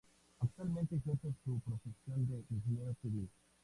Actualmente ejerce su profesión de ingeniero civil.